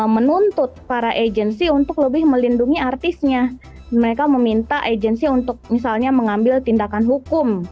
menuntut para agensi untuk lebih melindungi artisnya mereka meminta agensi untuk misalnya mengambil tindakan hukum